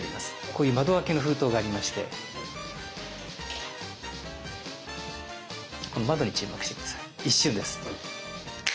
こういう窓開けの封筒がありましてこの窓に注目して下さい一瞬です。